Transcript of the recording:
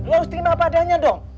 lo harus terima padanya dong